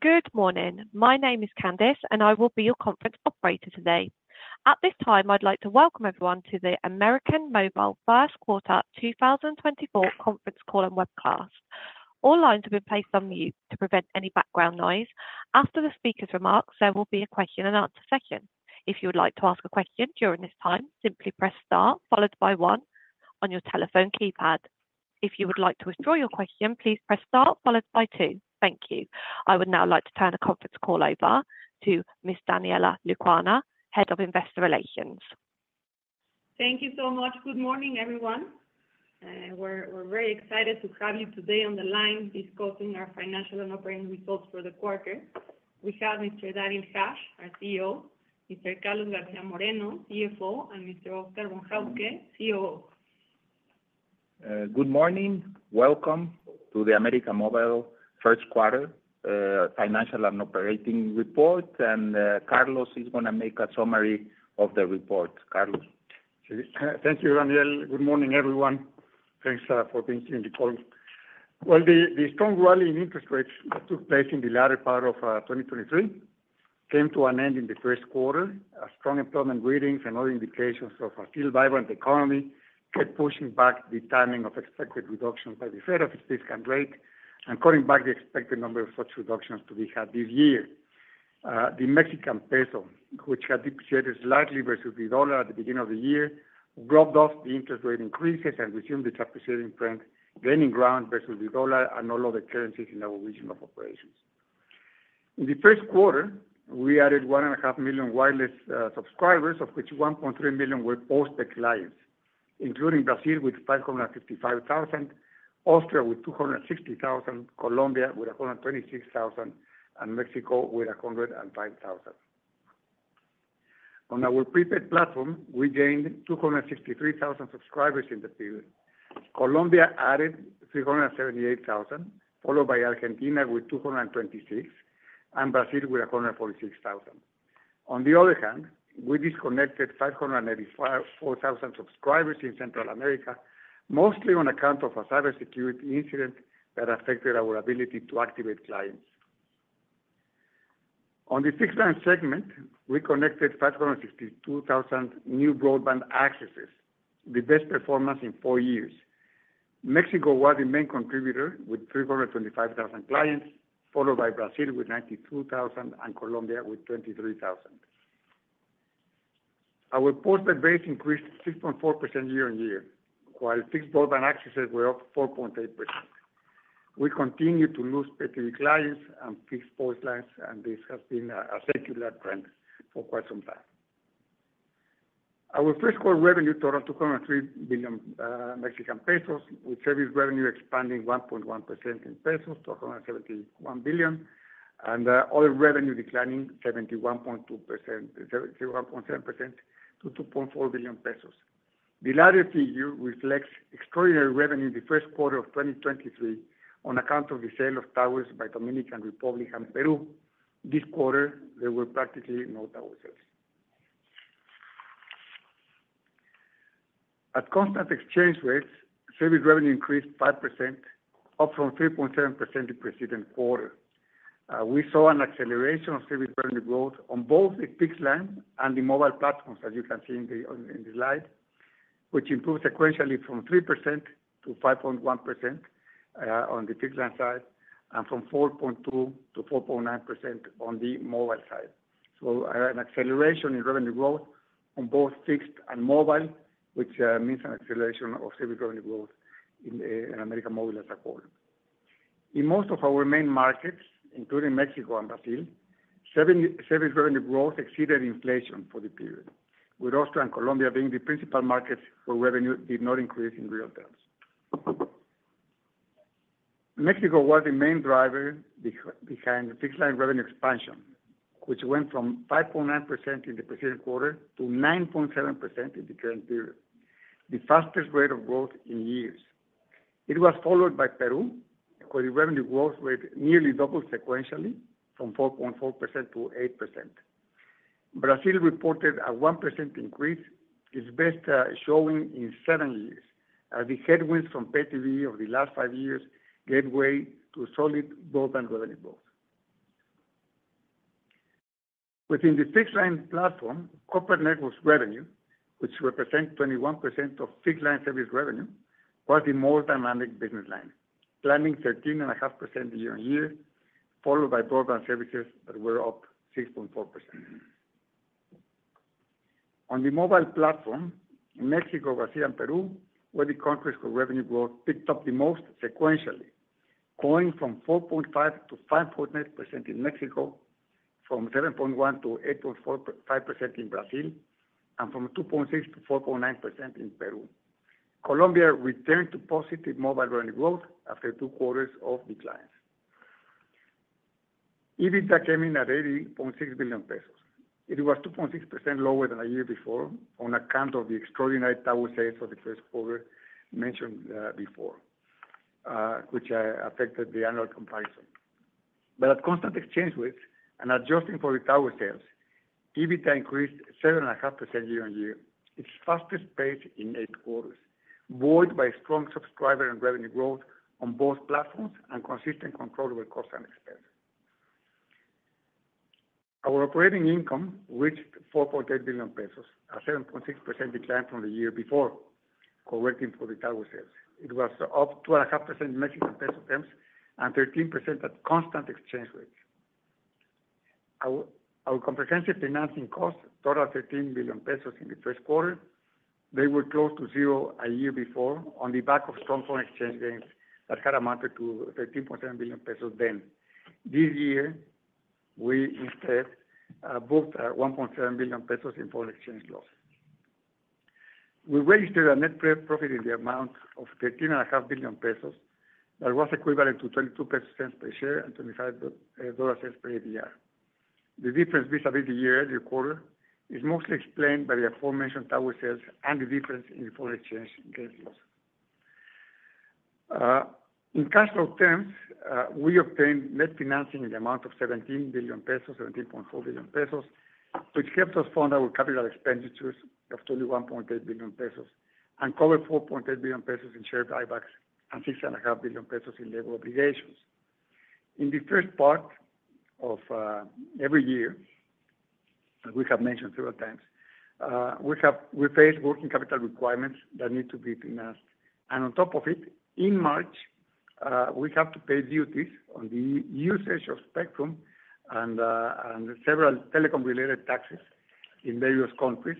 Good morning. My name is Candace, and I will be your conference operator today. At this time, I'd like to welcome everyone to the América Móvil first quarter 2024 Conference Call and Webcast. All lines have been placed on mute to prevent any background noise. After the speaker's remarks, there will be a question-and-answer session. If you would like to ask a question during this time, simply press star followed by 1 on your telephone keypad. If you would like to withdraw your question, please press star followed by 2. Thank you. I would now like to turn the conference call over to Ms. Daniela Lecuona, Head of Investor Relations. Thank you so much. Good morning, everyone. We're very excited to have you today on the line discussing our financial and operating results for the quarter. We have Mr. Daniel Hajj, our CEO, Mr. Carlos García Moreno, CFO, and Mr. Oscar Von Hauske, COO. Good morning. Welcome to the América Móvil 1st Quarter financial and operating report, and Carlos is going to make a summary of the report. Carlos. Thank you, Daniela. Good morning, everyone. Thanks for being here in the call. Well, the strong rally in interest rates that took place in the latter part of 2023 came to an end in the first quarter. Strong employment readings and other indications of a still vibrant economy kept pushing back the timing of expected reductions by the Fed at its federal funds rate and cutting back the expected number of such reductions to be had this year. The Mexican peso, which had depreciated slightly versus the dollar at the beginning of the year, rode out the interest rate increases and resumed its appreciating trend, gaining ground versus the dollar and all other currencies in our region of operations. In the first quarter, we added 1.5 million wireless subscribers, of which 1.3 million were postpaid clients, including Brazil with 555,000, Austria with 260,000, Colombia with 126,000, and Mexico with 105,000. On our prepaid platform, we gained 263,000 subscribers in the period. Colombia added 378,000, followed by Argentina with 226,000, and Brazil with 146,000. On the other hand, we disconnected 584,000 subscribers in Central America, mostly on account of a cybersecurity incident that affected our ability to activate clients. On the fixed broadband segment, we connected 562,000 new broadband accesses, the best performance in four years. Mexico was the main contributor with 325,000 clients, followed by Brazil with 92,000 and Colombia with 23,000. Our postpaid rates increased 6.4% year-over-year, while fixed broadband accesses were up 4.8%. We continue to lose pay-TV clients and fixed post lines, and this has been a circular trend for quite some time. Our fixed core revenue totaled 203 billion Mexican pesos, with service revenue expanding 1.1% in pesos to 171 billion, and other revenue declining 71.7% to 2.4 billion pesos. The latter figure reflects extraordinary revenue in the first quarter of 2023 on account of the sale of towers by Dominican Republic and Peru. This quarter, there were practically no tower sales. At constant exchange rates, service revenue increased 5%, up from 3.7% the preceding quarter. We saw an acceleration of service revenue growth on both the fixed line and the mobile platforms, as you can see in the slide, which improved sequentially from 3% to 5.1% on the fixed line side and from 4.2% to 4.9% on the mobile side. So an acceleration in revenue growth on both fixed and mobile, which means an acceleration of service revenue growth in América Móvil as a whole. In most of our main markets, including Mexico and Brazil, service revenue growth exceeded inflation for the period, with Argentina and Colombia being the principal markets where revenue did not increase in real terms. Mexico was the main driver behind fixed line revenue expansion, which went from 5.9% in the preceding quarter to 9.7% in the current period, the fastest rate of growth in years. It was followed by Peru, where the revenue growth rate nearly doubled sequentially from 4.4% to 8%. Brazil reported a 1% increase, its best showing in seven years, as the headwinds from pay-TV of the last five years gave way to solid broadband revenue growth. Within the fixed line platform, corporate network revenue, which represents 21% of fixed line service revenue, was the most dynamic business line, climbing 13.5% year-on-year, followed by broadband services that were up 6.4%. On the mobile platform, in Mexico, Brazil, and Peru, where the countries' revenue growth picked up the most sequentially, going from 4.5%-5.8% in Mexico, from 7.1%-8.5% in Brazil, and from 2.6%-4.9% in Peru. Colombia returned to positive mobile revenue growth after two quarters of declines. EBITDA came in at 80.6 billion pesos. It was 2.6% lower than a year before on account of the extraordinary tower sales for the first quarter mentioned before, which affected the annual comparison. But at constant exchange rates and adjusting for the tower sales, EBITDA increased 7.5% year on year, its fastest pace in eight quarters, buoyed by strong subscriber and revenue growth on both platforms and consistent control over costs and expenses. Our operating income reached 4.8 billion pesos, a 7.6% decline from the year before, correcting for the tower sales. It was up 2.5% in Mexican peso terms and 13% at constant exchange rates. Our comprehensive financing costs totaled 13 billion pesos in the first quarter. They were close to zero a year before on the back of strong foreign exchange gains that had amounted to 13.7 billion pesos then. This year, we instead booked 1.7 billion pesos in foreign exchange loss. We registered a net profit in the amount of 13.5 billion pesos that was equivalent to 0.22 pesos per share and $0.25 per ADR. The difference vis-à-vis the year-end quarter is mostly explained by the aforementioned tower sales and the difference in foreign exchange gains loss. In cash flow terms, we obtained net financing in the amount of 17 billion pesos, 17.4 billion pesos, which helped us fund our capital expenditures of 21.8 billion pesos and cover 4.8 billion pesos in share buybacks and 6.5 billion pesos in debt obligations. In the first part of every year, as we have mentioned several times, we face working capital requirements that need to be financed. On top of it, in March, we have to pay duties on the usage of spectrum and several telecom-related taxes in various countries.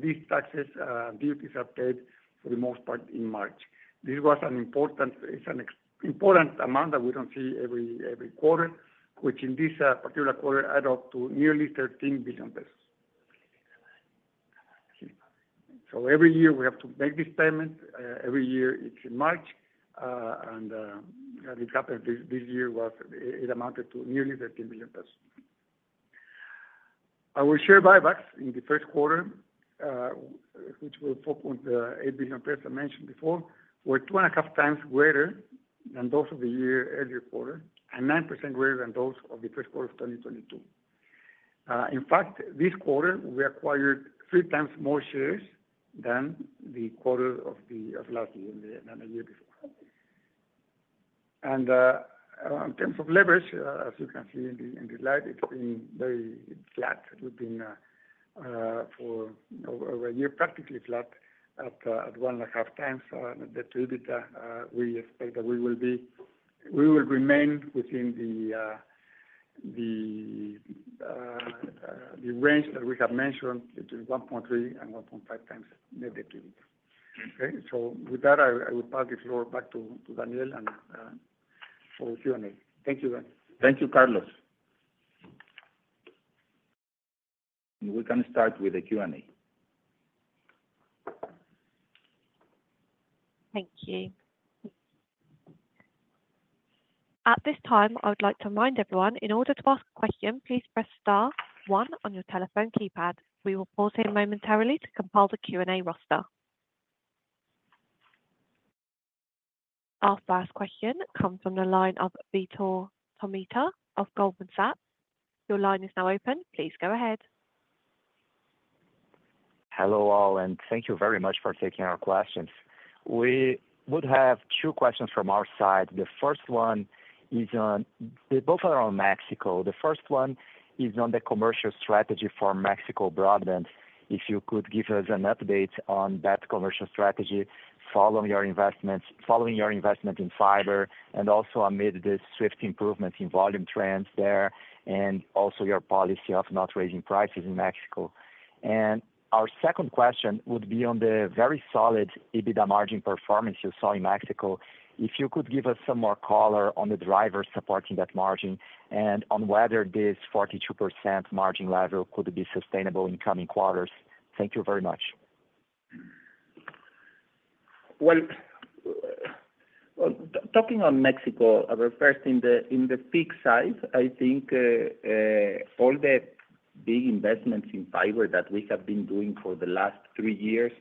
These taxes and duties are paid for the most part in March. This was an important; it's an important amount that we don't see every quarter, which in this particular quarter added up to nearly 13 billion pesos. Every year, we have to make this payment. Every year, it's in March, and it happened this year was it amounted to nearly 13 billion pesos. Our share buybacks in the first quarter, which were 8 billion I mentioned before, were 2.5 times greater than those of the year-earlier quarter and 9% greater than those of the first quarter of 2022. In fact, this quarter, we acquired 3 times more shares than the quarter of last year and the year before. And in terms of leverage, as you can see in the slide, it's been very flat. It's been for over a year practically flat at 1.5 times net debt to EBITDA. We expect that we will be we will remain within the range that we have mentioned between 1.3 and 1.5 times net debt to EBITDA. Okay? So with that, I will pass the floor back to Daniela and for Q&A. Thank you, Daniela. Thank you, Carlos. We can start with the Q&A. Thank you. At this time, I would like to remind everyone, in order to ask a question, please press Star 1 on your telephone keypad. We will pause here momentarily to compile the Q&A roster. Our first question comes from the line of Vitor Tomita of Goldman Sachs. Your line is now open. Please go ahead. Hello all, and thank you very much for taking our questions. We would have two questions from our side. The first one is, both are on Mexico. The first one is on the commercial strategy for Mexico broadband. If you could give us an update on that commercial strategy following your investment in fiber and also amid this swift improvement in volume trends there and also your policy of not raising prices in Mexico. And our second question would be on the very solid EBITDA margin performance you saw in Mexico. If you could give us some more color on the drivers supporting that margin and on whether this 42% margin level could be sustainable in coming quarters. Thank you very much. Well, talking on Mexico, first, in the fixed side, I think all the big investments in fiber that we have been doing for the last three years,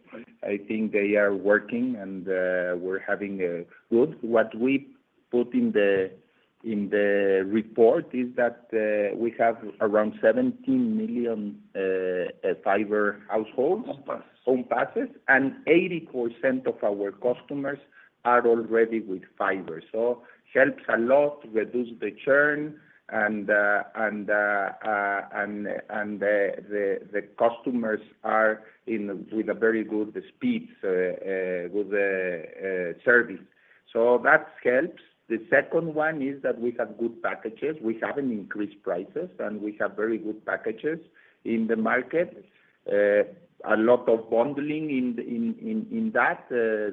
I think they are working and we're having a good what we put in the report is that we have around 17 million fiber households. home passes. home passes, and 80% of our customers are already with fiber. So helps a lot to reduce the churn, and the customers are with a very good speed, with service. So that helps. The second one is that we have good packages. We have an increased prices, and we have very good packages in the market. A lot of bundling in that.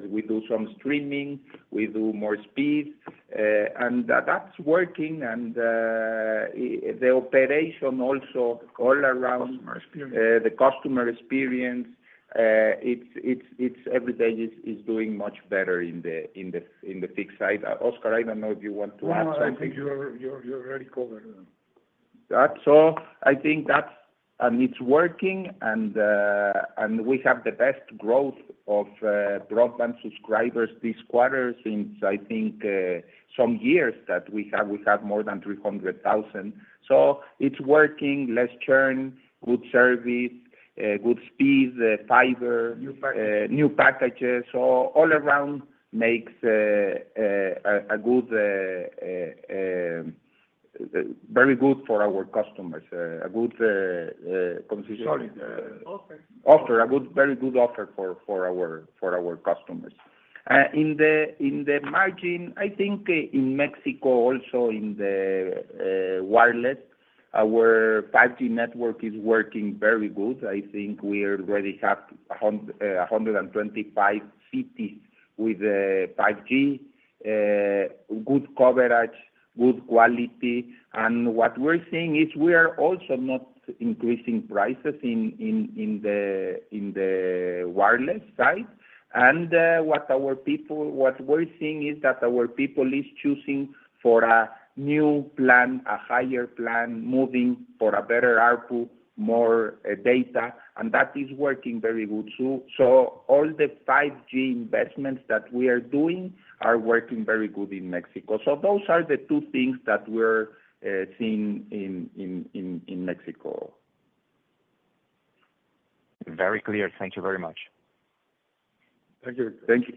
We do some streaming. We do more speed. And that's working. And the operation also all around. Customer experience. The customer experience, it's every day, is doing much better in the fixed side. Oscar, I don't know if you want to add something. No, no. I think you're already covered. So I think that's, and it's working, and we have the best growth of broadband subscribers this quarter since, I think, some years that we have more than 300,000. So it's working, less churn, good service, good speed, fiber. New packages. New packages. All around makes a good very good for our customers, a good position. Solid. Okay. Offer, a very good offer for our customers. In the margin, I think in Mexico also, in the wireless, our 5G network is working very good. I think we already have 125 cities with 5G, good coverage, good quality. What we're seeing is we are also not increasing prices in the wireless side. What we're seeing is that our people is choosing for a new plan, a higher plan, moving for a better ARPU, more data, and that is working very good. All the 5G investments that we are doing are working very good in Mexico. Those are the two things that we're seeing in Mexico. Very clear. Thank you very much. Thank you. Thank you.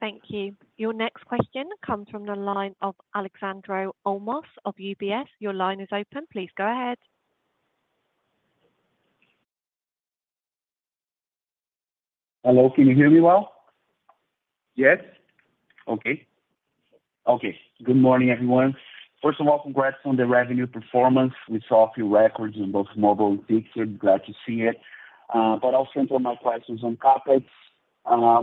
Thank you. Your next question comes from the line of Leonardo Olmos of UBS. Your line is open. Please go ahead. Hello. Can you hear me well? Yes. Okay. Okay. Good morning, everyone. First of all, congrats on the revenue performance. We saw a few records on both mobile and fixed. We're glad to see it. But I'll center my questions on CapEx.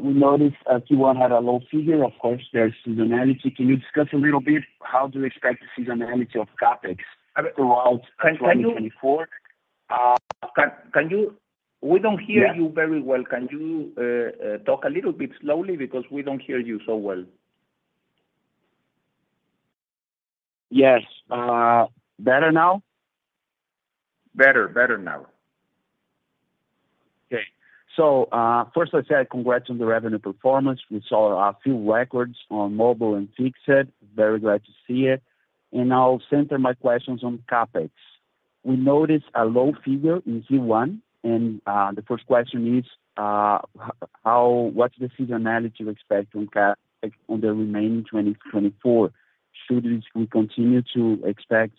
We noticed Q1 had a low figure. Of course, there's seasonality. Can you discuss a little bit how do you expect the seasonality of CapEx throughout 2024? Can you? We don't hear you very well. Can you talk a little bit slowly because we don't hear you so well? Yes. Better now? Better. Better now. Okay. So first, I said congrats on the revenue performance. We saw a few records on mobile and fixed. Very glad to see it. And I'll center my questions on CapEx. We noticed a low figure in Q1. And the first question is, what's the seasonality you expect on the remaining 2024? Should we continue to expect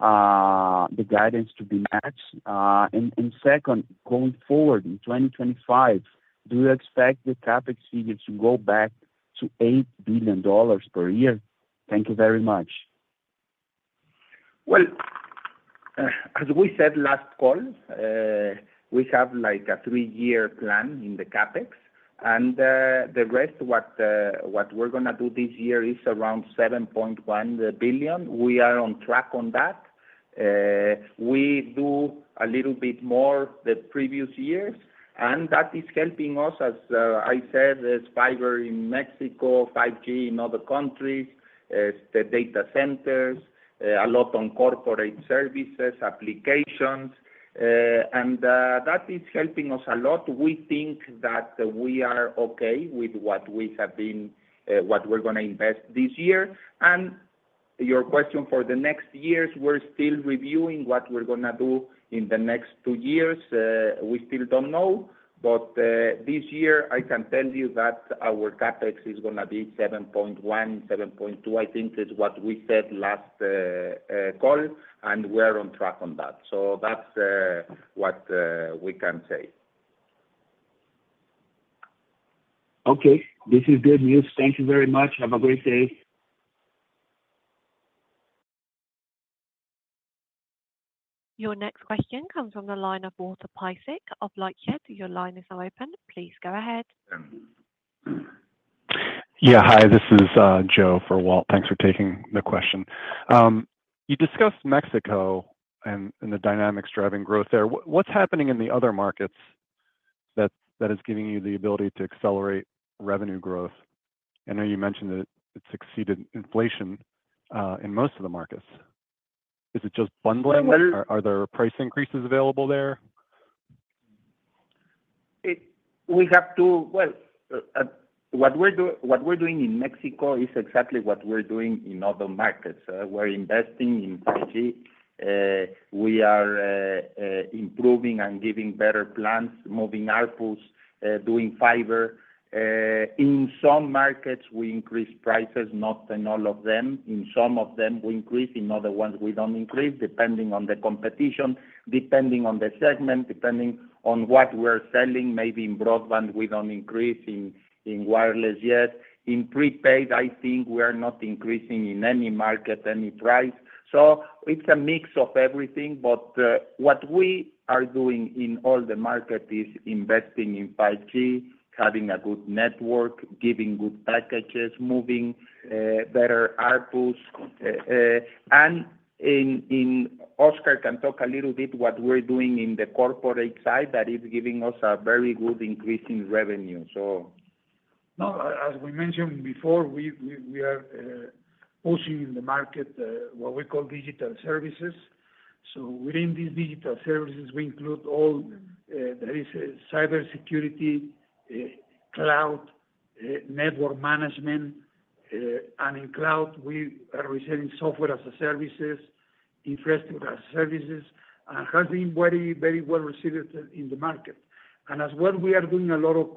the guidance to be matched? And second, going forward in 2025, do you expect the CapEx figure to go back to $8 billion per year? Thank you very much. Well, as we said last call, we have a three-year plan in the CapEx. And the rest, what we're going to do this year is around $7.1 billion. We are on track on that. We do a little bit more the previous years, and that is helping us, as I said, as fiber in Mexico, 5G in other countries, the data centers, a lot on corporate services, applications. And that is helping us a lot. We think that we are okay with what we have been what we're going to invest this year. And your question for the next years, we're still reviewing what we're going to do in the next two years. We still don't know. But this year, I can tell you that our CapEx is going to be $7.1-$7.2 billion. I think it's what we said last call, and we are on track on that. That's what we can say. Okay. This is good news. Thank you very much. Have a great day. Your next question comes from the line of Walter Piecyk of Lightshed Partners. Your line is now open. Please go ahead. Yeah. Hi. This is Joe for Walt. Thanks for taking the question. You discussed Mexico and the dynamics driving growth there. What's happening in the other markets that is giving you the ability to accelerate revenue growth? I know you mentioned that it's exceeded inflation in most of the markets. Is it just bundling? Are there price increases available there? Well, what we're doing in Mexico is exactly what we're doing in other markets. We're investing in 5G. We are improving and giving better plans, moving ARPUs, doing fiber. In some markets, we increase prices, not in all of them. In some of them, we increase. In other ones, we don't increase, depending on the competition, depending on the segment, depending on what we're selling. Maybe in broadband, we don't increase in wireless yet. In prepaid, I think we are not increasing in any market, any price. So it's a mix of everything. But what we are doing in all the markets is investing in 5G, having a good network, giving good packages, moving better ARPUs. And Oscar can talk a little bit about what we're doing on the corporate side that is giving us a very good increase in revenue, so. No, as we mentioned before, we are pushing in the market what we call digital services. So within these digital services, we include all that is cybersecurity, cloud, network management. And in cloud, we are receiving software as a services, infrastructure as a services, and has been very, very well received in the market. And as well, we are doing a lot of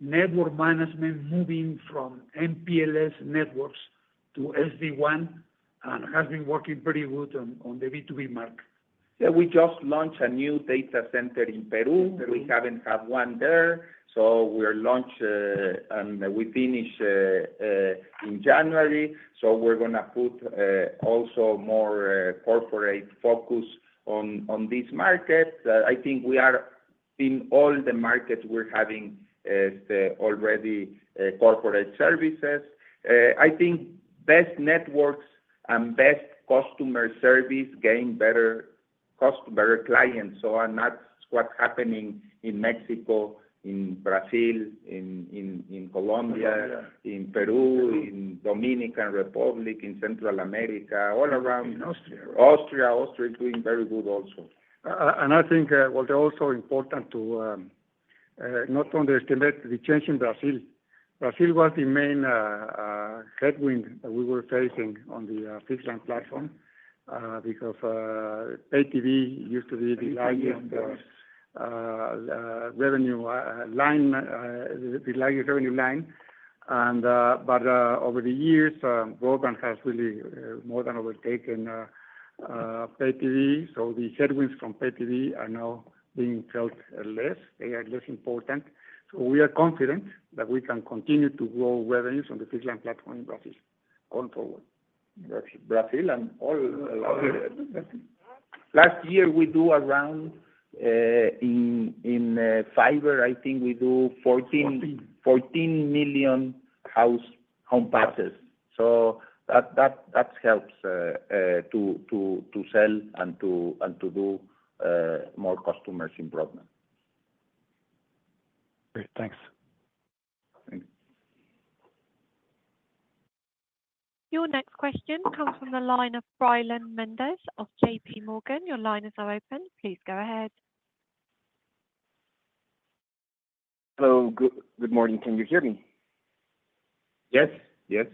network management, moving from MPLS networks to SD-WAN, and has been working pretty good on the B2B market. Yeah. We just launched a new data center in Peru. We haven't had one there. So we're launched, and we finish in January. So we're going to put also more corporate focus on this market. I think we are in all the markets, we're having already corporate services. I think best networks and best customer service gain better clients. So that's what's happening in Mexico, in Brazil, in Colombia, in Peru, in Dominican Republic, in Central America, all around. In Austria, right? Austria. Austria is doing very good also. I think, well, they're also important to not underestimate the change in Brazil. Brazil was the main headwind that we were facing on the fixed-line platform because pay-TV used to be the largest revenue line, the largest revenue line. But over the years, broadband has really more than overtaken pay-TV. So the headwinds from pay-TV are now being felt less. They are less important. So we are confident that we can continue to grow revenues on the fixed-line platform in Brazil going forward. Brazil and all of it? All of it. Last year, we do around in fiber, I think we do 14. 14. million home passes. So that helps to sell and to do more customers in broadband. Great. Thanks. Thanks. Your next question comes from the line of Brayan Muñoz of J.P. Morgan. Your line is now open. Please go ahead. Hello. Good morning. Can you hear me? Yes. Yes.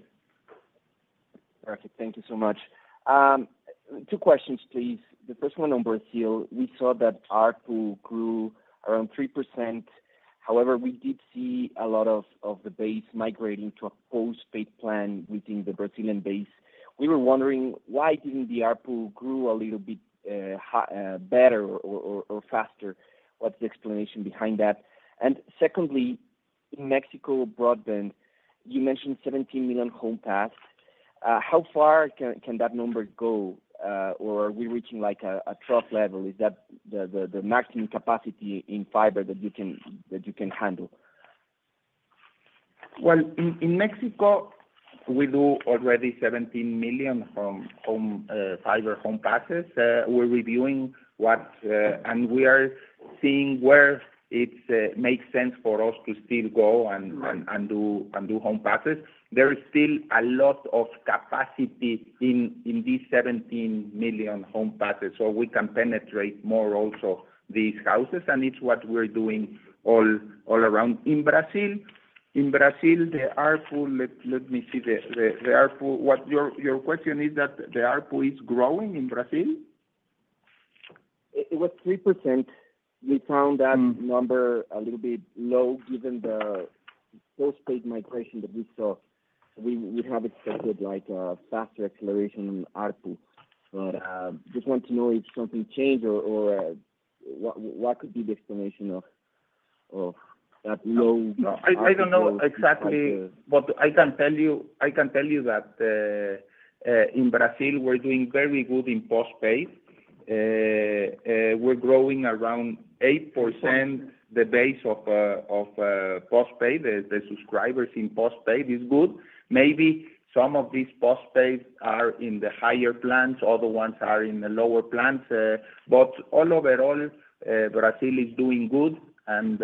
Perfect. Thank you so much. Two questions, please. The first one on Brazil, we saw that ARPU grew around 3%. However, we did see a lot of the base migrating to a postpaid plan within the Brazilian base. We were wondering, why didn't the ARPU grow a little bit better or faster? What's the explanation behind that? And secondly, in Mexico broadband, you mentioned 17 million home passes. How far can that number go, or are we reaching a trough level? Is that the maximum capacity in fiber that you can handle? Well, in Mexico, we do already 17 million fiber home passes. We're reviewing what and we are seeing where it makes sense for us to still go and do home passes. There is still a lot of capacity in these 17 million home passes, so we can penetrate more also these houses. And it's what we're doing all around. In Brazil, the ARPU let me see the ARPU. Your question is that the ARPU is growing in Brazil? It was 3%. We found that number a little bit low given the postpaid migration that we saw. We have expected faster acceleration in ARPU. But just want to know if something changed or what could be the explanation of that low. No, I don't know exactly. But I can tell you that in Brazil, we're doing very good in postpaid. We're growing around 8% the base of postpaid. The subscribers in postpaid is good. Maybe some of these postpaid are in the higher plans. Other ones are in the lower plans. But all overall, Brazil is doing good, and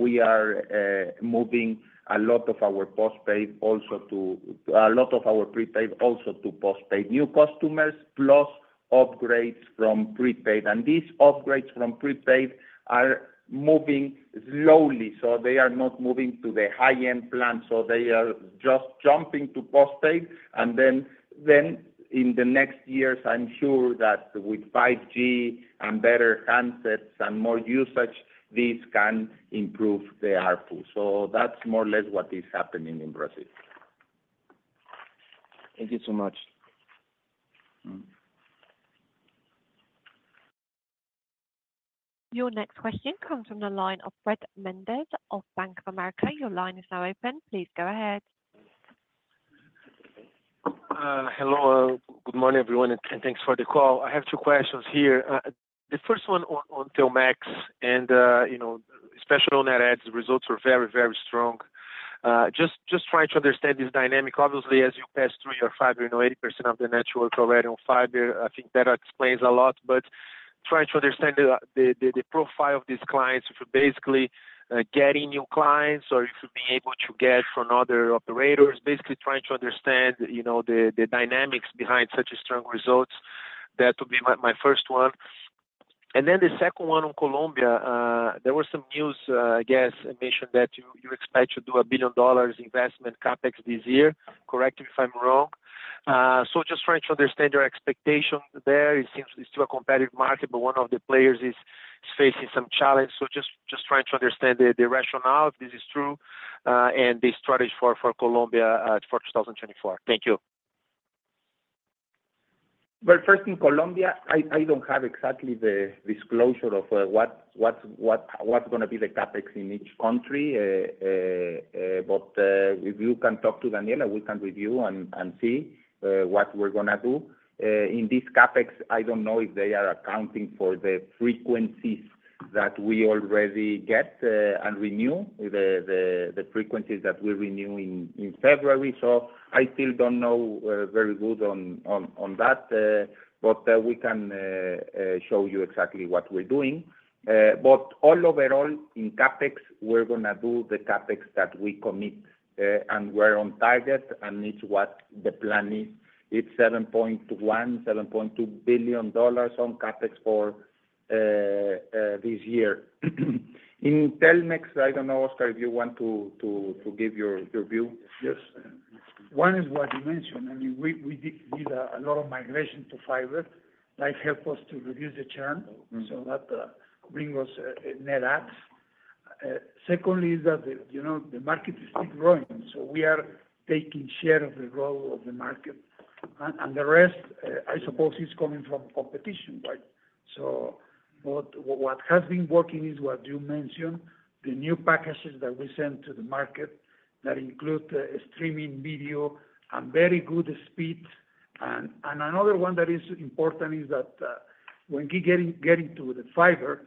we are moving a lot of our postpaid also to a lot of our prepaid also to postpaid. New customers plus upgrades from prepaid. And these upgrades from prepaid are moving slowly, so they are not moving to the high-end plans. So they are just jumping to postpaid. And then in the next years, I'm sure that with 5G and better handsets and more usage, these can improve the ARPU. So that's more or less what is happening in Brazil. Thank you so much. Your next question comes from the line of Fred Mendes of Bank of America. Your line is now open. Please go ahead. Hello. Good morning, everyone, and thanks for the call. I have two questions here. The first one on Telmex, and especially on net adds, the results were very, very strong. Just trying to understand this dynamic. Obviously, as you pass through your fiber, 80% of the network already on fiber. I think that explains a lot. But trying to understand the profile of these clients, if you're basically getting new clients or if you're being able to get from other operators, basically trying to understand the dynamics behind such strong results, that would be my first one. And then the second one on Colombia, there was some news, I guess, mentioned that you expect to do a $1 billion investment CapEx this year. Correct me if I'm wrong. So just trying to understand your expectation there. It seems it's still a competitive market, but one of the players is facing some challenges. So just trying to understand the rationale, if this is true, and the strategy for Colombia for 2024? Thank you. But first, in Colombia, I don't have exactly the disclosure of what's going to be the CapEx in each country. But if you can talk to Daniela, we can review and see what we're going to do. In this CapEx, I don't know if they are accounting for the frequencies that we already get and renew, the frequencies that we renew in February. So I still don't know very good on that, but we can show you exactly what we're doing. But all overall, in CapEx, we're going to do the CapEx that we commit, and we're on target and it's what the plan is. It's $7.1-$7.2 billion on CapEx for this year. In Telmex, I don't know, Oscar, if you want to give your view. Yes. One is what you mentioned. I mean, we did a lot of migration to fiber. That helped us to reduce the churn, so that brings us net adds. Secondly, is that the market is still growing, so we are taking share of the total of the market. And the rest, I suppose, is coming from competition, right? So what has been working is what you mentioned, the new packages that we send to the market that include streaming video and very good speed. And another one that is important is that when we get into the fiber,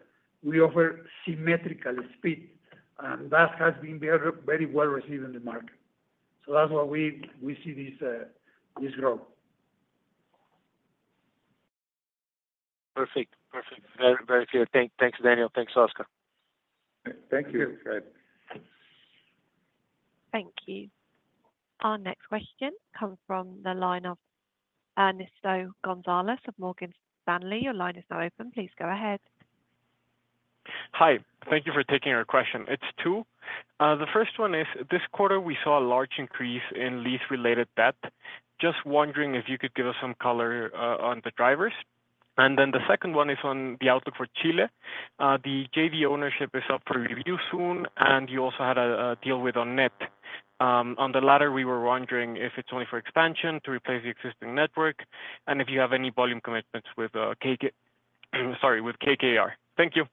we offer symmetrical speed, and that has been very well received in the market. So that's why we see this growth. Perfect. Perfect. Very clear. Thanks, Daniel. Thanks, Oscar. Thank you. Great. Thank you. Our next question comes from the line of Ernesto González of Morgan Stanley. Your line is now open. Please go ahead. Hi. Thank you for taking our question. It's two. The first one is, this quarter, we saw a large increase in lease-related debt. Just wondering if you could give us some color on the drivers. And then the second one is on the outlook for Chile. The JV ownership is up for review soon, and you also had a deal with ON*NET. On the latter, we were wondering if it's only for expansion to replace the existing network and if you have any volume commitments with KKR, sorry, with KKR. Thank you.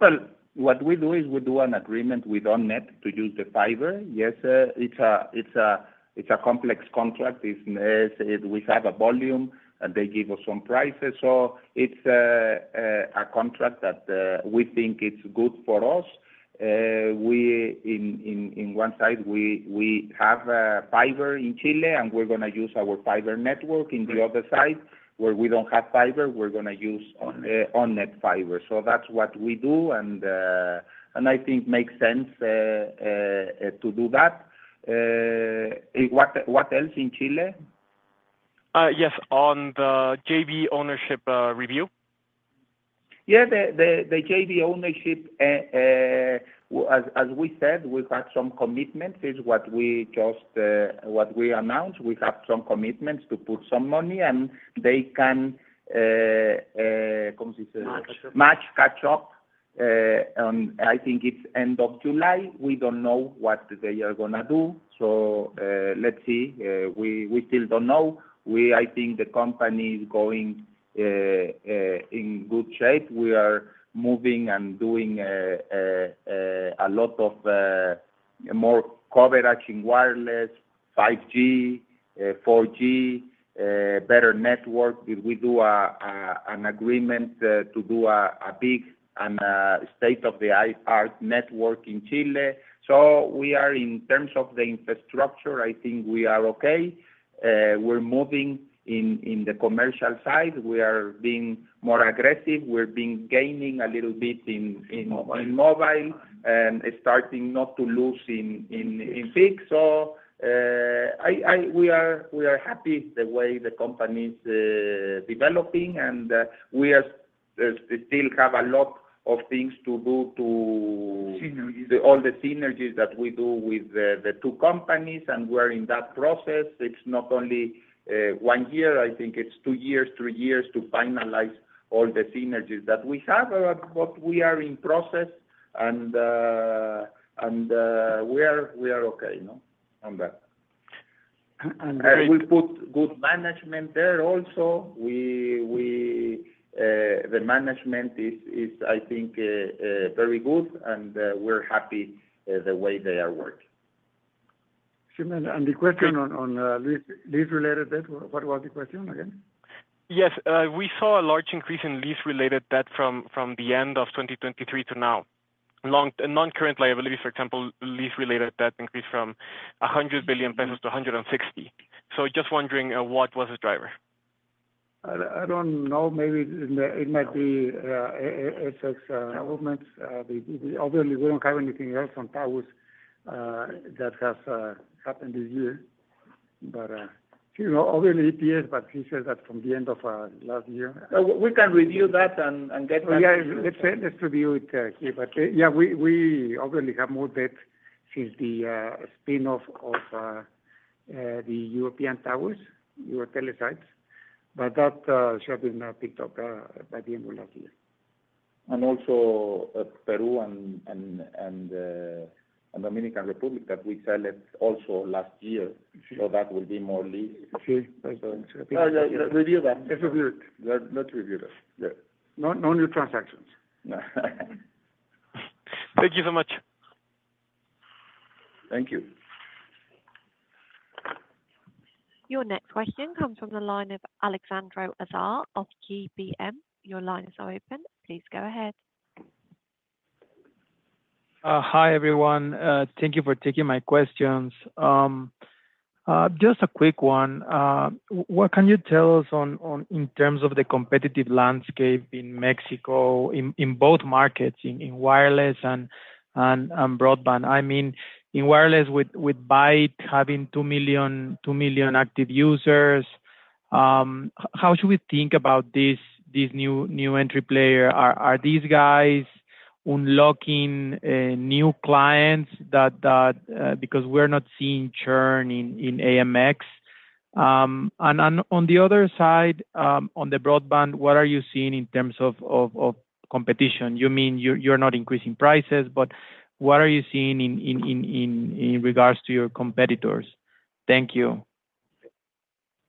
Well, what we do is we do an agreement with ON*NET to use the fiber. Yes, it's a complex contract. We have a volume, and they give us some prices. So it's a contract that we think it's good for us. In one side, we have fiber in Chile, and we're going to use our fiber network. In the other side, where we don't have fiber, we're going to use ON*NET fiber. So that's what we do, and I think makes sense to do that. What else in Chile? Yes. On the JV ownership review? Yeah. The JV ownership, as we said, we've had some commitments. It's what we just announced. We have some commitments to put some money, and they can. Match up. Let's catch up on, I think, it's the end of July. We don't know what they are going to do. So let's see. We still don't know. I think the company is in good shape. We are moving and doing a lot more coverage in wireless, 5G, 4G, better network. We do an agreement to do a big and state-of-the-art network in Chile. So in terms of the infrastructure, I think we are okay. We're moving in the commercial side. We are being more aggressive. We're being gaining a little bit in mobile and starting not to lose in fixed. So we are happy the way the company is developing, and we still have a lot of things to do to. Synergies. All the synergies that we do with the two companies, and we're in that process. It's not only 1 year. I think it's 2 years, 3 years to finalize all the synergies that we have, but we are in process, and we are okay on that. And great. We'll put good management there also. The management is, I think, very good, and we're happy the way they are working. So, on, the question on lease-related debt, what was the question again? Yes. We saw a large increase in lease-related debt from the end of 2023 to now. Non-current liabilities, for example, lease-related debt increased from 100 billion pesos to 160 billion. So just wondering, what was the driver? I don't know. Maybe it might be FX movements. Obviously, we don't have anything else on taxes that has happened this year. But obviously, EPS, but he said that from the end of last year. We can review that and get that. Yeah. Let's review it here. But yeah, we obviously have more debt since the spin-off of the European assets, EuroTeleSites. That should have been picked up by the end of last year. Also Peru and Dominican Republic, that we sell it also last year, so that will be more lease. See, that's going to be a big deal. Review that. Let's review it. Let's review that. Yeah. No new transactions. Thank you so much. Thank you. Your next question comes from the line of Alejandro Azar of GBM. Your line is now open. Please go ahead. Hi, everyone. Thank you for taking my questions. Just a quick one. What can you tell us in terms of the competitive landscape in Mexico, in both markets, in wireless and broadband? I mean, in wireless, with Bait having 2 million active users, how should we think about this new entry player? Are these guys unlocking new clients because we're not seeing churn in AMX? And on the other side, on the broadband, what are you seeing in terms of competition? You mean you're not increasing prices, but what are you seeing in regards to your competitors? Thank you.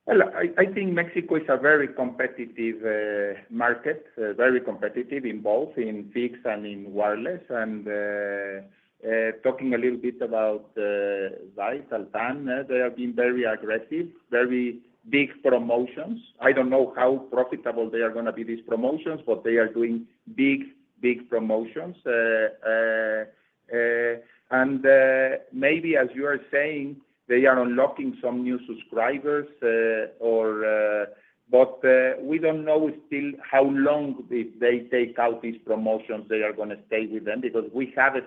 Well, I think Mexico is a very competitive market, very competitive in both, in fixed and in wireless. And talking a little bit about Bait, Altán, they have been very aggressive, very big promotions. I don't know how profitable they are going to be these promotions, but they are doing big, big promotions. And maybe, as you are saying, they are unlocking some new subscribers, but we don't know still how long if they take out these promotions, they are going to stay with them because we had it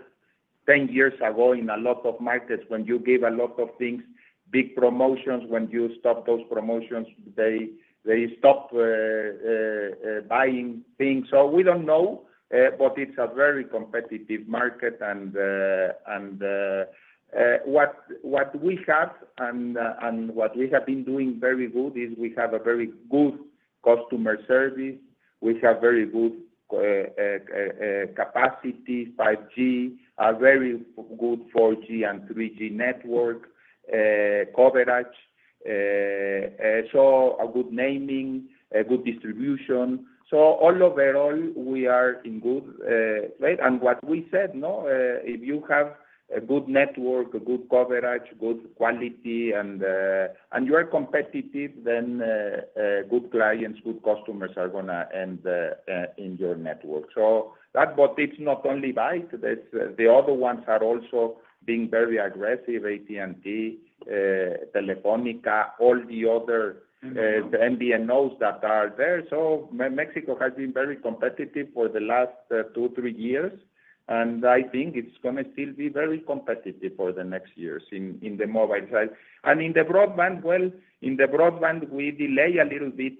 10 years ago in a lot of markets when you give a lot of things, big promotions. When you stop those promotions, they stop buying things. So we don't know, but it's a very competitive market. And what we have and what we have been doing very good is we have a very good customer service. We have very good capacity, 5G, a very good 4G and 3G network, coverage, so a good naming, good distribution. So all overall, we are in good shape. And what we said, if you have a good network, good coverage, good quality, and you are competitive, then good clients, good customers are going to end in your network. But it's not only Bait. The other ones are also being very aggressive: AT&T, Telefónica, all the other. The MVNOs that are there. So Mexico has been very competitive for the last two, three years, and I think it's going to still be very competitive for the next years in the mobile side. And in the broadband, well, in the broadband, we delayed a little bit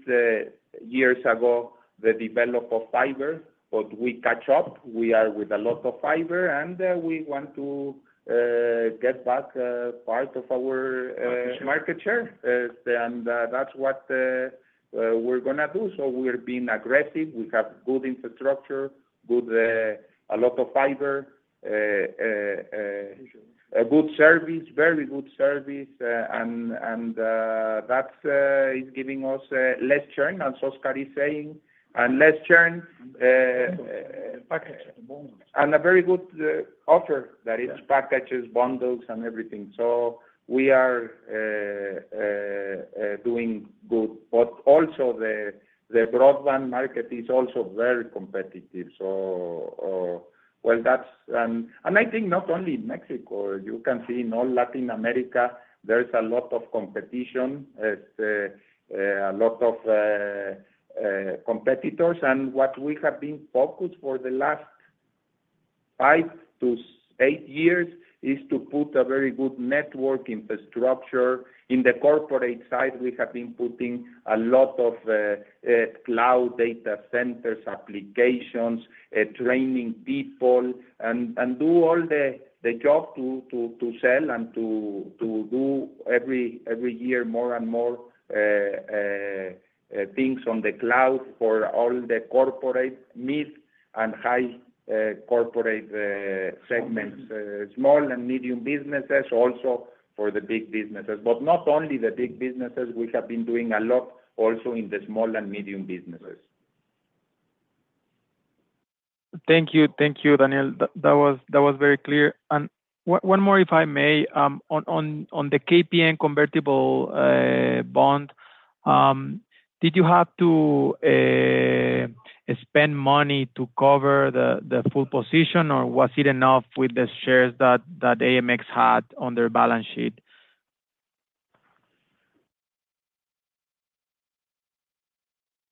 years ago the development of fiber, but we catch up. We are with a lot of fiber, and we want to get back part of our market share. That's what we're going to do. We're being aggressive. We have good infrastructure, a lot of fiber, a good service, very good service. That is giving us less churn, as Oscar is saying, and less churn. Packages. A very good offer that is packages, bundles, and everything. So we are doing good. But also, the broadband market is also very competitive. So, well, that's – and I think not only in Mexico. You can see in all Latin America; there's a lot of competition, a lot of competitors. And what we have been focused on for the last 5-8 years is to put a very good network infrastructure. In the corporate side, we have been putting a lot of cloud data centers, applications, training people, and do all the job to sell and to do every year more and more things on the cloud for all the corporate mid and high corporate segments, small and medium businesses, also for the big businesses. But not only the big businesses. We have been doing a lot also in the small and medium businesses. Thank you. Thank you, Daniel. That was very clear. And one more, if I may, on the KPN convertible bond, did you have to spend money to cover the full position, or was it enough with the shares that AMX had on their balance sheet?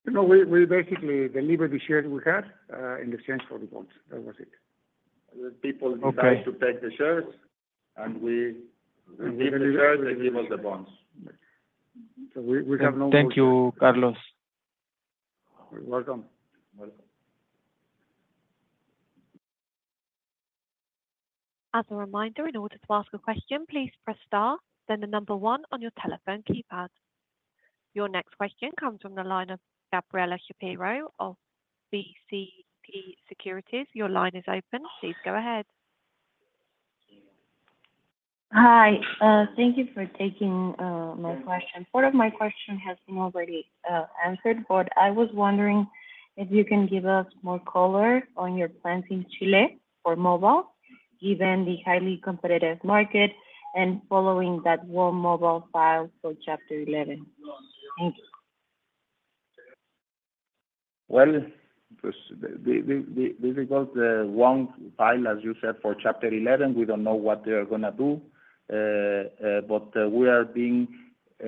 We basically delivered the shares we had in exchange for the bonds. That was it. People decide to take the shares, and we give the shares, they give us the bonds. We have no more. Thank you, Carlos. You're welcome. As a reminder, in order to ask a question, please press star, then the number one on your telephone keypad. Your next question comes from the line of Gabriela Chaparro of BCP Securities. Your line is open. Please go ahead. Hi. Thank you for taking my question. Part of my question has been already answered, but I was wondering if you can give us more color on your plans in Chile for mobile, given the highly competitive market, and following that WOM filed for Chapter 11. Thank you. Well, this is WOM filed, as you said, for Chapter 11. We don't know what they are going to do, but we are investing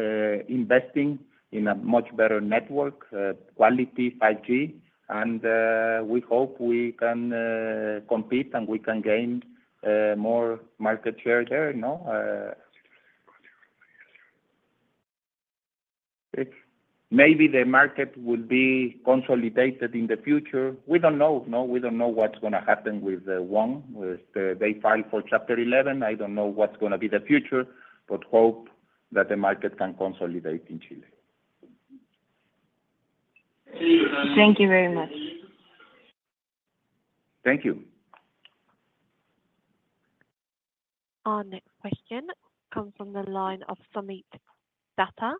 in a much better network, quality, 5G, and we hope we can compete and we can gain more market share there. Maybe the market will be consolidated in the future. We don't know. We don't know what's going to happen with WOM. They filed for Chapter 11. I don't know what's going to be the future, but hope that the market can consolidate in Chile. Thank you very much. Thank you. Our next question comes from the line of Soomit Datta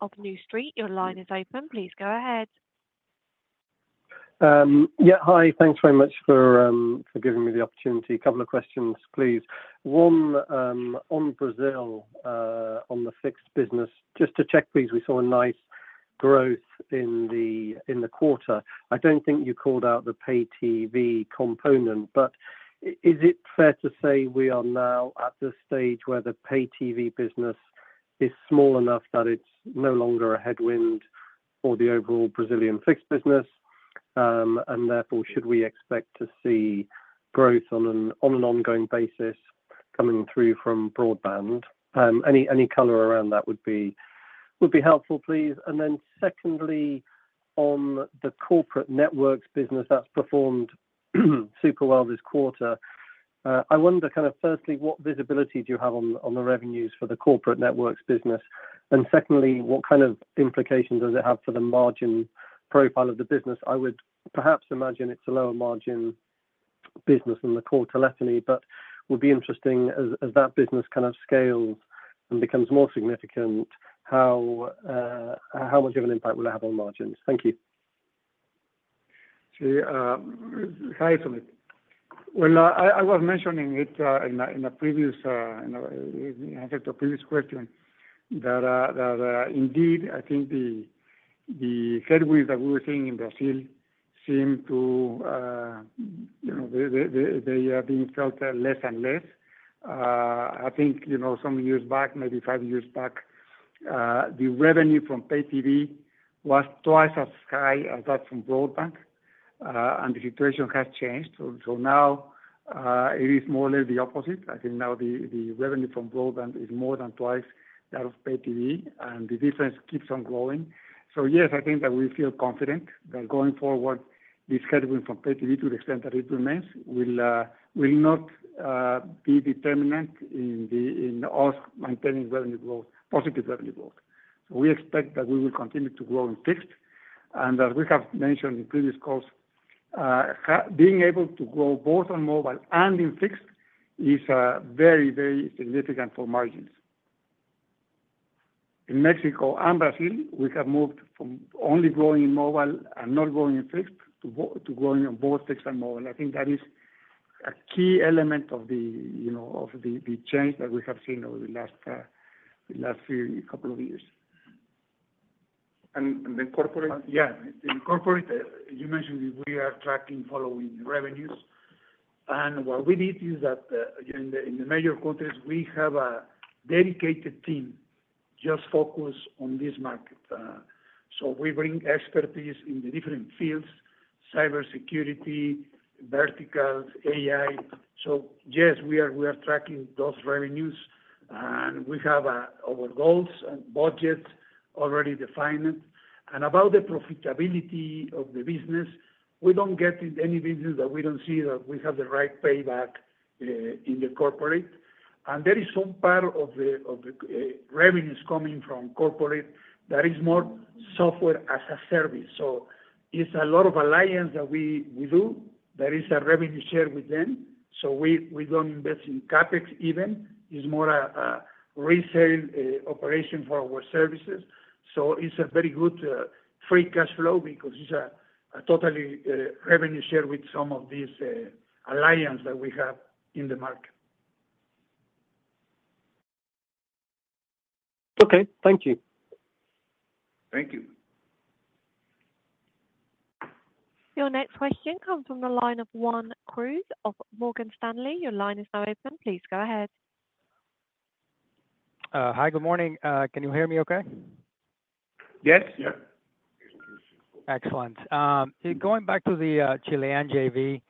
of New Street Research. Your line is open. Please go ahead. Yeah. Hi. Thanks very much for giving me the opportunity. A couple of questions, please. One on Brazil, on the fixed business. Just to check, please, we saw a nice growth in the quarter. I don't think you called out the pay-TV component, but is it fair to say we are now at the stage where the pay-TV business is small enough that it's no longer a headwind for the overall Brazilian fixed business? And therefore, should we expect to see growth on an ongoing basis coming through from broadband? Any color around that would be helpful, please. And then secondly, on the corporate networks business that's performed super well this quarter, I wonder, kind of firstly, what visibility do you have on the revenues for the corporate networks business? And secondly, what kind of implications does it have for the margin profile of the business? I would perhaps imagine it's a lower-margin business in the quarter laterally, but would be interesting, as that business kind of scales and becomes more significant, how much of an impact will it have on margins? Thank you. See, hi, Soomit. Well, I was mentioning it in a previous answer to a previous question that indeed, I think the headwinds that we were seeing in Brazil seem to, they are being felt less and less. I think some years back, maybe five years back, the revenue from pay-TV was twice as high as that from broadband, and the situation has changed. So now, it is more or less the opposite. I think now the revenue from broadband is more than twice that of pay-TV, and the difference keeps on growing. So yes, I think that we feel confident that going forward, this headwind from pay-TV, to the extent that it remains, will not be determinant in us maintaining revenue growth, positive revenue growth. So we expect that we will continue to grow in fixed. As we have mentioned in previous calls, being able to grow both on mobile and in fixed is very, very significant for margins. In Mexico and Brazil, we have moved from only growing in mobile and not growing in fixed to growing on both fixed and mobile. I think that is a key element of the change that we have seen over the last couple of years. And corporate? Yeah. Corporate, you mentioned we are tracking, following revenues. What we did is that in the major countries, we have a dedicated team just focused on this market. So we bring expertise in the different fields: cybersecurity, verticals, AI. So yes, we are tracking those revenues, and we have our goals and budgets already defined. About the profitability of the business, we don't get in any business that we don't see that we have the right payback in the corporate. There is some part of the revenues coming from corporate that is more software as a service. So it's a lot of alliance that we do. There is a revenue share with them. So we don't invest in CapEx even. It's more a resale operation for our services. So it's a very good free cash flow because it's a totally revenue share with some of these alliance that we have in the market. Okay. Thank you. Thank you. Your next question comes from the line of Juan Cruz of Morgan Stanley. Your line is now open. Please go ahead. Hi. Good morning. Can you hear me okay? Yes. Excellent. Going back to the Chilean JV,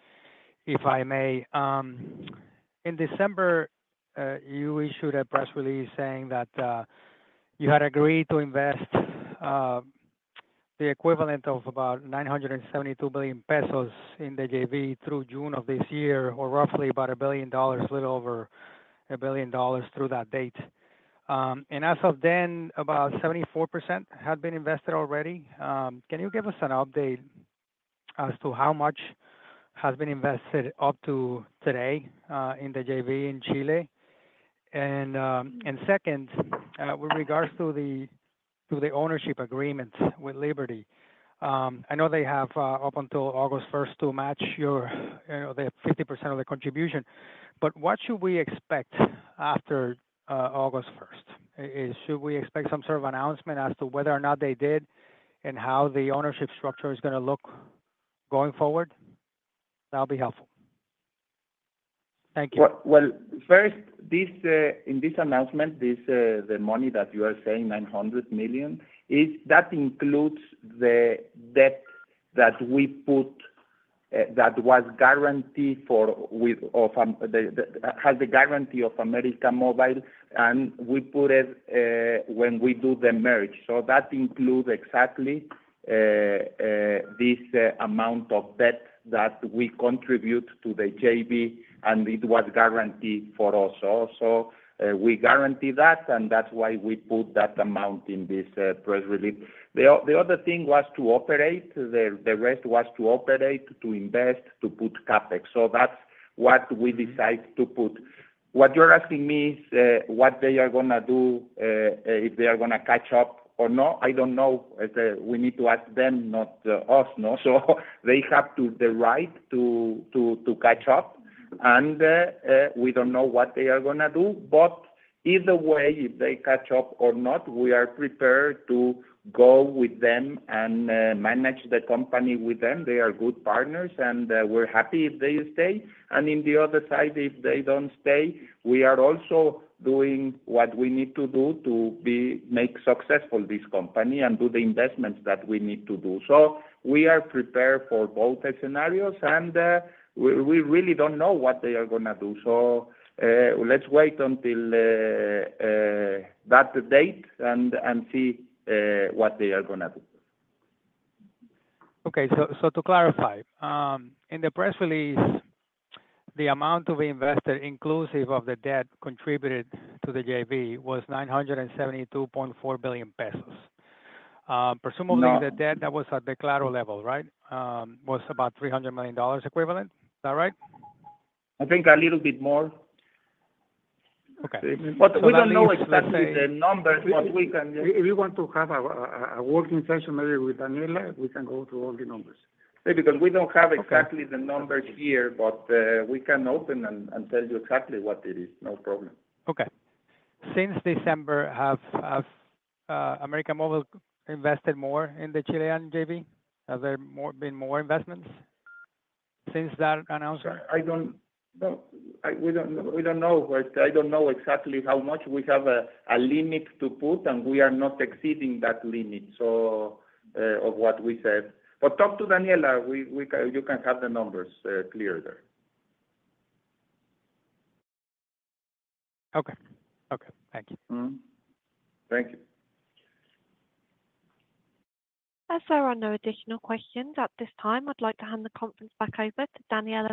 if I may, in December, you issued a press release saying that you had agreed to invest the equivalent of about 972 billion pesos in the JV through June of this year, or roughly about $1 billion, a little over $1 billion through that date. And as of then, about 74% had been invested already. Can you give us an update as to how much has been invested up to today in the JV in Chile? And second, with regards to the ownership agreements with Liberty, I know they have up until August 1st to match the 50% of the contribution. But what should we expect after August 1st? Should we expect some sort of announcement as to whether or not they did and how the ownership structure is going to look going forward? That'll be helpful. Thank you. Well, first, in this announcement, the money that you are saying, $900 million, that includes the debt that we put that was guaranteed for has the guarantee of América Móvil, and we put it when we do the merge. So that includes exactly this amount of debt that we contribute to the JV, and it was guaranteed for us. So we guarantee that, and that's why we put that amount in this press release. The other thing was to operate. The rest was to operate, to invest, to put CapEx. So that's what we decide to put. What you're asking me is what they are going to do, if they are going to catch up or not. I don't know. We need to ask them, not us. So they have the right to catch up, and we don't know what they are going to do. Either way, if they catch up or not, we are prepared to go with them and manage the company with them. They are good partners, and we're happy if they stay. On the other side, if they don't stay, we are also doing what we need to do to make successful this company and do the investments that we need to do. We are prepared for both scenarios, and we really don't know what they are going to do. Let's wait until that date and see what they are going to do. Okay. So to clarify, in the press release, the amount of invested inclusive of the debt contributed to the JV was 972.4 billion pesos. Presumably, the debt that was at Claro level, right, was about $300 million equivalent. Is that right? I think a little bit more. But we don't know exactly the numbers, but we can. If you want to have a working session maybe with Daniela, we can go through all the numbers. Because we don't have exactly the numbers here, but we can open and tell you exactly what it is. No problem. Okay. Since December, has América Móvil invested more in the Chilean JV? Have there been more investments since that announcement? We don't know. I don't know exactly how much. We have a limit to put, and we are not exceeding that limit of what we said. But talk to Daniela. You can have the numbers clear there. Okay. Okay. Thank you. Thank you. As there are no additional questions at this time, I'd like to hand the conference back over to Daniela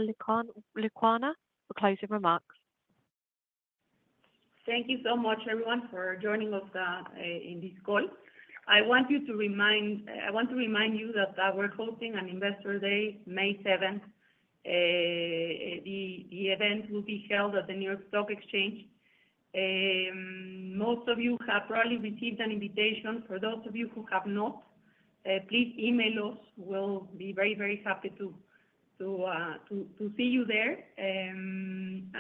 Lecuona for closing remarks. Thank you so much, everyone, for joining us in this call. I want to remind you that we're hosting an Investor Day, May 7th. The event will be held at the New York Stock Exchange. Most of you have probably received an invitation. For those of you who have not, please email us. We'll be very, very happy to see you there. And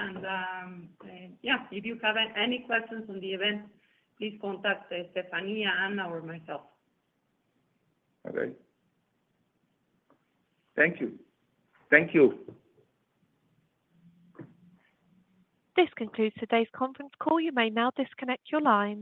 yeah, if you have any questions on the event, please contact Stephania, Anna, or myself. Okay. Thank you. Thank you. This concludes today's conference call. You may now disconnect your line.